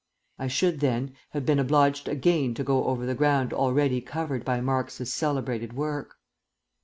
I should, then, have been obliged again to go over the ground already covered by Marx's celebrated work.